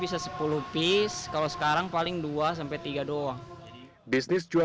bisnis jual ponsel ini juga mengalami penurunan omset sejak aturan pembatasan penggunaan kartu operator seluler